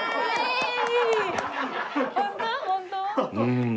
うん。